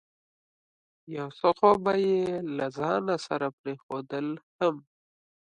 یو څه خو به یې له ځانه سره پرېښودل هم.